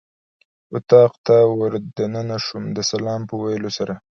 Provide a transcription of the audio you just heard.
اتاق ته ور دننه شوم د سلام په ویلو سره.